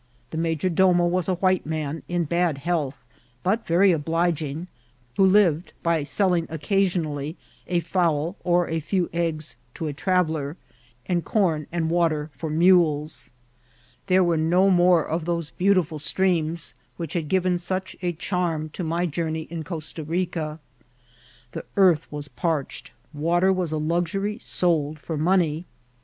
The major domo was a white man, in bad health,' but very obliging, who lived by selling occasionally a fowl or a few eggs to a traveller, and corn and water for mules. There were no more of those beautiful streams which had given such a charm to my journey in Costa Rica. The earth was parched ; water was a luxury sold for money.